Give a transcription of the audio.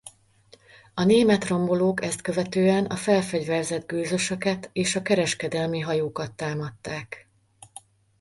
A német rombolók ezt követően a felfegyverzett gőzösöket és a kereskedelmi hajókat támadták.